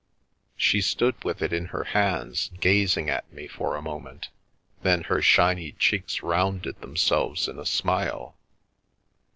She stood with it in her hands, gazing at me for a moment, then her shiny cheeks rounded themselves in a smile.